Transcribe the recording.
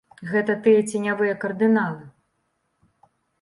Гэта тыя ценявыя кардыналы.